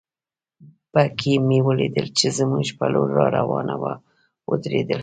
بګۍ مې ولیدل چې زموږ پر لور را روانه وه، ودرېدل.